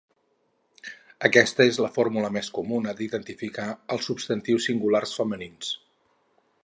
Aquesta és la forma més comuna d'identificar els substantius singulars femenins.